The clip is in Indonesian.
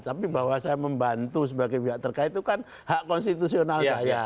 tapi bahwa saya membantu sebagai pihak terkait itu kan hak konstitusional saya